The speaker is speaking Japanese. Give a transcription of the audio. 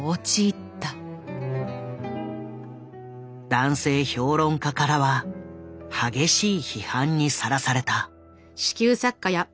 男性評論家からは激しい批判にさらされた。